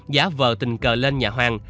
giá vờ tình cờ lên nhà hoàng